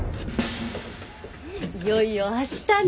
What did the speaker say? いよいよ明日ね！